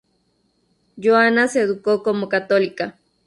Joanna se educó como católica.